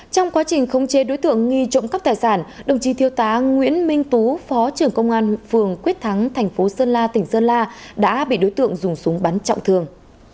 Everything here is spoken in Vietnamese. trong quá trình khống chế đối tượng nghi trộm cắp tài sản đồng chí thiêu tá nguyễn minh tú phó trưởng công an phường quyết thắng thành phố sơn la tỉnh sơn la đã bị đối tượng dùng súng bắn trọng thương